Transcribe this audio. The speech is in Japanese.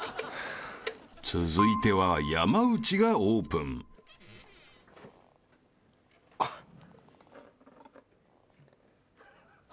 ［続いては山内がオープン］ハハハ。